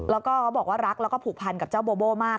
แล้วก็เขาบอกว่ารักแล้วก็ผูกพันกับเจ้าโบโบ้มาก